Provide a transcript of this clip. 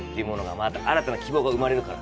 また新たな希望が生まれるから。